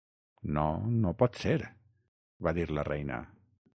"No, no pot ser", va dir la reina.